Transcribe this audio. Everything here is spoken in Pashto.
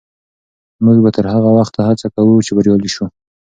موږ به تر هغه وخته هڅه کوو چې بریالي سو.